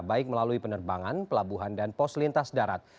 baik melalui penerbangan pelabuhan dan pos lintas darat